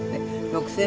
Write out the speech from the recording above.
６０００